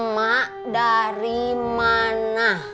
mak dari mana